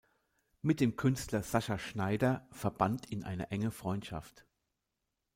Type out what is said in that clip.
Mit dem Künstler Sascha Schneider verband ihn eine enge Freundschaft.